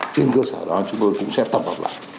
trên cơ sở đó chúng tôi cũng sẽ tập hợp lại